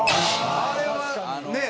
あれはね。